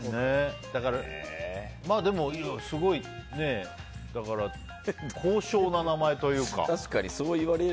でも、すごい高尚な名前というか。